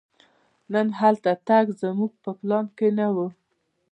نن هلته تګ زموږ په پلان کې نه و.